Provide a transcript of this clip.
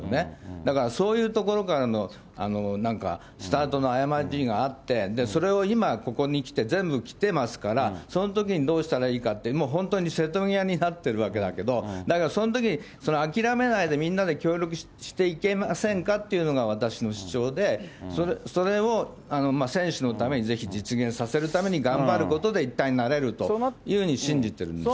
だからそういうところからのなんかスタートの誤りがあって、それを今、ここにきて、全部きてますから、そのときにどうしたらいいかって、本当に瀬戸際になってるわけだけど、だけど、そのときに諦めないで、みんなで協力していけませんかというのが、私の主張で、それを、選手のためにぜひ実現させるために頑張ることで、一体になれるというふうに信じてるんですよ。